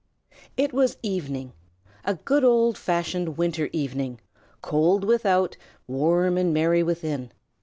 IT was evening, a good, old fashioned winter evening, cold without, warm and merry within.